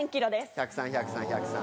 １０３１０３１０３。